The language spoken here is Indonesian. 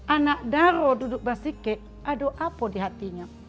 anak daro duduk bersikik ada apa di hatinya